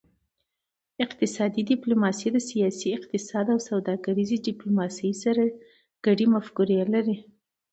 اقتصادي ډیپلوماسي د سیاسي اقتصاد او سوداګریزې ډیپلوماسي سره ګډې مفکورې لري